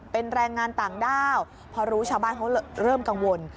เป็นแรงงานต่างด้าวพอรู้ชาวบ้านเขาเริ่มกังวล